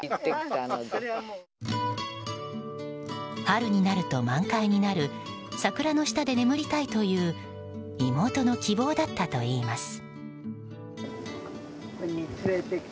春になると満開になる桜の下で眠りたいという妹の希望だったといいます。